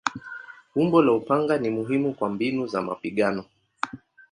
Umbo la upanga ni muhimu kwa mbinu za mapigano.